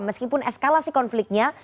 meskipun eskalasi konfliknya